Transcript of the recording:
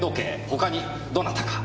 他にどなたか？